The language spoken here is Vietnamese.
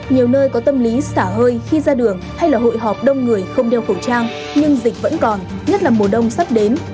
nhiều nơi có tâm lý xả hơi khi ra đường hay là hội họp đông người không đeo khẩu trang nhưng dịch vẫn còn nhất là mùa đông sắp đến